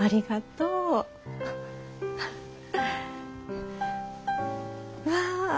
うわ。